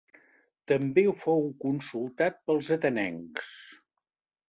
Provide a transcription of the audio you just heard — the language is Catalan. També fou consultat pels atenencs.